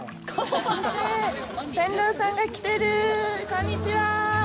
こんにちは。